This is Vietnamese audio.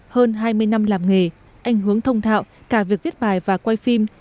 hơn hai mươi năm làm nghề anh hướng thông thạo cả việc viết bài và quay phim